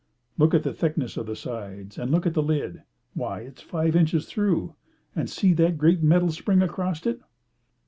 "Look at the thickness of the sides, and look at the lid. Why, it's five inches through. And see that great metal spring across it."